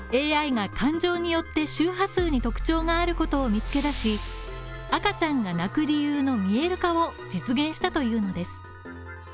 ＡＩが感情によって周波数に特徴があることを見つけ出し、赤ちゃんが泣く理由の見える化を実現したというのです。